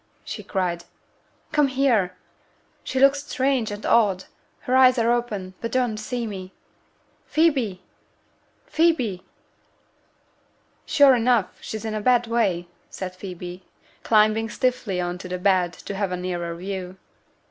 she cried, 'come here! She looks strange and odd; her eyes are open, but don't see me. Phoebe! Phoebe!' 'Sure enough, she's in a bad way!' said Phoebe, climbing stiffly on to the bed to have a nearer view.